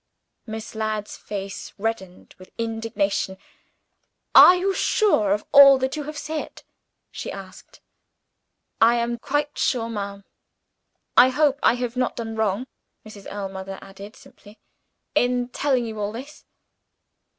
Miss Ladd's face reddened with indignation. "Are you sure of all that you have said?" she asked. "I am quite sure, ma'am. I hope I have not done wrong," Mrs. Ellmother added simply, "in telling you all this?"